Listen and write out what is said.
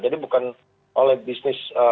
jadi bukan oleh bisnis hotel